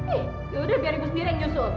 ih yaudah biar ibu sepiring yusuf